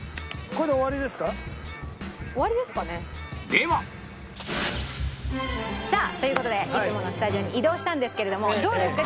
ではさあという事でいつものスタジオに移動したんですけれどもどうですか？